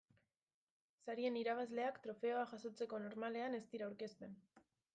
Sarien irabazleak trofeoa jasotzeko normalean ez dira aurkezten.